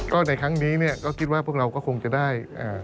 ก็ในครั้งนี้เนี่ยก็คิดว่าพวกเราก็คงจะได้